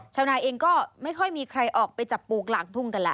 ชาวนาเองก็ไม่ค่อยมีใครออกไปจับปลูกหลังทุ่งกันแหละ